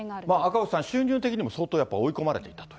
赤星さん、収入的にも相当やっぱり追い込まれていたと。